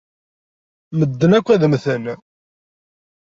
Medden akk ad mmten.